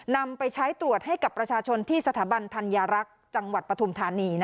นำไปใช้ตรวจให้กับประชาชนที่สถาบันธัญรักษ์จังหวัดปฐุมธานี